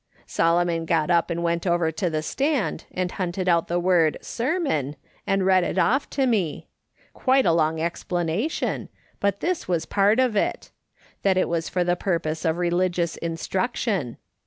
Solomon got up and went over to the stand, and hunted out the word sermon, and read it off to me ; quite a long explanation, but this was part of it; that it was for the purpose of religious instruction.